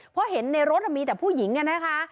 เพราะเห็นในรถมีแต่ผู้หญิงนะคะ